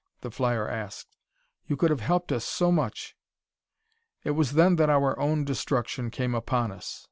the flyer asked. "You could have helped us so much." "It was then that our own destruction came upon us.